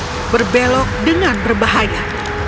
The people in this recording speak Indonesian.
mereka berbelok dengan berbahaya